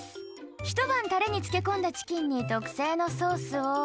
「ひと晩タレに漬け込んだチキンに特製のソースを」